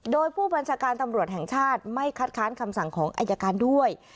โดยผู้บัญชาการตำรวจแห่งชาติไม่คัดค้านคำสั่งของอายการด้วย